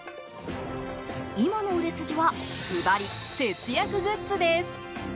今の売れ筋はずばり節約グッズです。